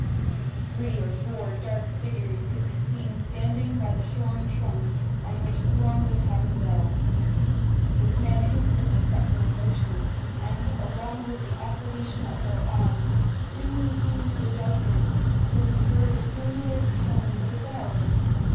Three or four dark figures could be seen standing by the shorn trunk on which swung the tavern bell. The command instantly set them in motion; and, along with the oscillation of their arms dimly seen through the darkness could be heard the sonorous tones of a bell.